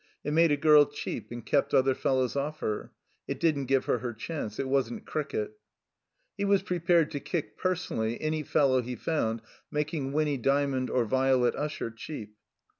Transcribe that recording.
It made a girl cheap, and kept other fellows oflf her. It didn't give her her chance. It wasn't cricket. He was prepared to kick, personally, any fellow he found making Winny Dymond or Violet Usher cheap.